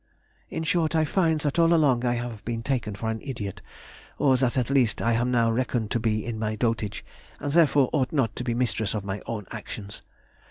In short, I find that all along I have been taken for an idiot, or that at least I am now reckoned to be in my dotage, and therefore ought not to be mistress of my own actions.